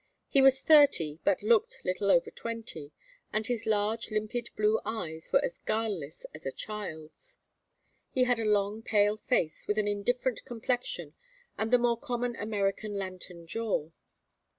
He was thirty but looked little over twenty, and his large limpid blue eyes were as guileless as a child's. He had a long pale face with an indifferent complexion and the common American lantern jaw.